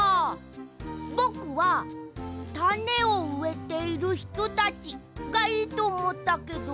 ぼくは「たねをうえているひとたち」がいいとおもったけど。